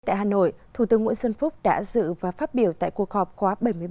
tại hà nội thủ tướng nguyễn xuân phúc đã dự và phát biểu tại cuộc họp khóa bảy mươi ba